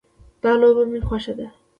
دا لوبه مې خوښه ده